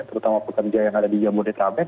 terutama pekerja yang ada di jamu data bank